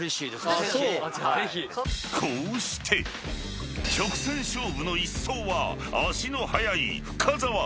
［こうして直線勝負の１走は足の速い深澤］